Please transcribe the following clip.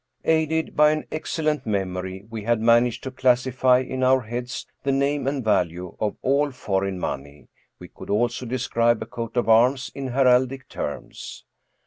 Aided by an excellent memory, we had managed to class ify in our heads the name and value of all foreign money. We could also describe a coat of arms in heraldic terms.